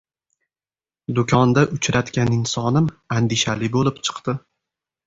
Do’konda uchratgan insonim andishali bo’lib chiqdi.